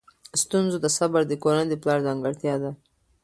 ستونزو ته صبر کول د کورنۍ د پلار ځانګړتیا ده.